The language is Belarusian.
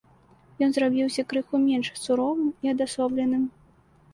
Ён зрабіўся крыху менш суровым і адасобленым.